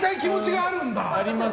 あります。